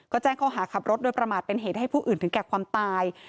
ก็แจ้งข้อหาขับรถโดยประมาทเป็นเหตุให้ผู้อื่นถึงแก่ความตาย